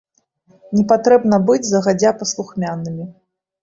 Не патрэбна быць загадзя паслухмянымі.